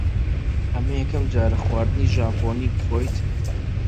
ئەمە یەکەم جارە خواردنی ژاپۆنی بخۆیت؟